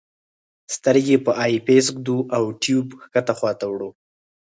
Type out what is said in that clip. سترګې په آی پیس ږدو او ټیوب ښکته خواته وړو.